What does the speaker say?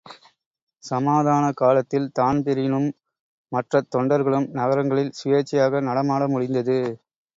சமாதானக் காலத்தில் தான்பிரினும் மற்றத் தொண்டர்களும் நகரங்களில் சுயேச்சையாக நடமாட முடிந்தது.